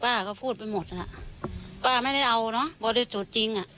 ตายเถอะนี่ป้าก็พูดไปหมดอ่ะป้าไม่ได้เอาเนอะบอกได้สูตรจริงอ่ะ